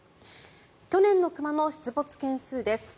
去年の熊の出没件数です。